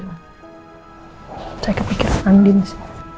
saya kepikiran andin sih